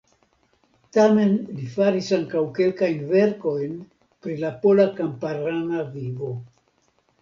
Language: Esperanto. Tamen li faris ankaŭ kelkajn verkojn pri la pola kamparana vivo.